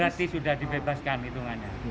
gratis sudah dibebaskan hitungannya